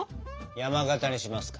山型にしますか。